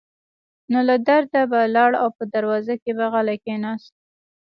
نو له درده به لاړ او په دروازه کې به غلی کېناست.